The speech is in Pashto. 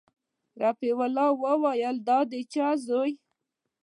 رفيع الله وويل د چا زوى يې.